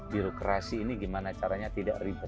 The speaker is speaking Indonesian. birokrasi ini gimana caranya tidak ribet